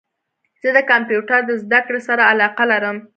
زه د کمپیوټرد زده کړي سره علاقه لرم